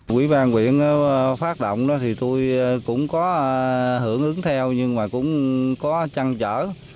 quỹ ban quyển phát động thì tôi cũng có hưởng ứng theo nhưng mà cũng có trăn trở